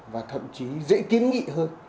và thậm chí dễ kiến nghị hơn